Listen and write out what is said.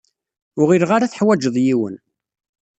Ur ɣileɣ ara tuḥwaǧeḍ yiwen.